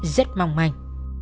rất mỏng mạnh